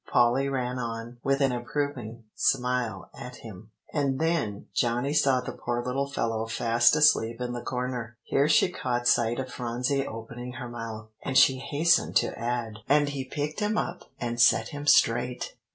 Polly ran on, with an approving smile at him. "And then Johnny saw the poor little fellow fast asleep in the corner." Here she caught sight of Phronsie opening her mouth; and she hastened to add, "And he picked him up and set him straight.